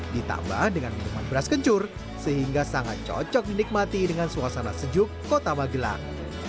ditambah dengan minuman beras kencur sehingga sangat cocok dinikmati dengan suasana sejuk kota magelang